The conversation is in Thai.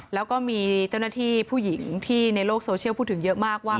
แล้วก็มีเจ้าหน้าที่ผู้หญิงที่ในโลกโซเชียลพูดถึงเยอะมากว่า